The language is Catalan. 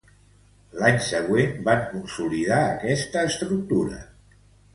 L'any següent, van consolidar aquesta estructura.